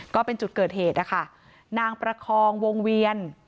ก็เป็นจุดเกิดเหตุนะคะนางประคองวงเวียน